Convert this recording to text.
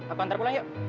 aku antar pulang yuk